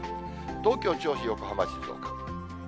東京、銚子、横浜、静岡。